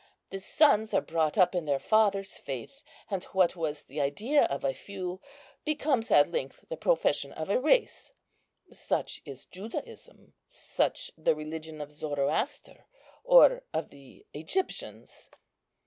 The sons are brought up in their fathers' faith; and what was the idea of a few becomes at length the profession of a race. Such is Judaism; such the religion of Zoroaster, or of the Egyptians."